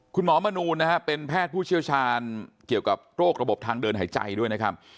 มนูลนะฮะเป็นแพทย์ผู้เชี่ยวชาญเกี่ยวกับโรคระบบทางเดินหายใจด้วยนะครับ